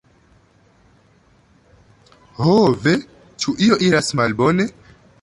ho ve, ĉu io iras malbone?